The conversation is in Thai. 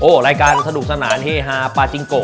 รายการสนุกสนานเฮฮาปาจิงโก